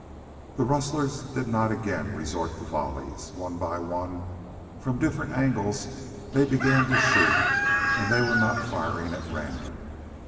The rustlers did not again resort to volleys. One by one, from different angles, they began to shoot, and they were not firing at random.